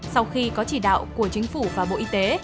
sau khi có chỉ đạo của chính phủ và bộ y tế